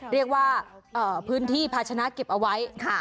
เรียกว่าพื้นที่ภาชนะเก็บเอาไว้